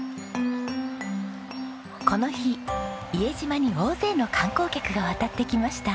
この日伊江島に大勢の観光客が渡ってきました。